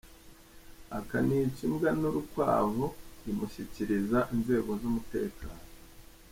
Akanica imbwa n’urukwavu zimushyikiriza inzego z’umutekano.